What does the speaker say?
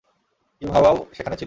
ইউহাওয়াও সেখানে ছিল।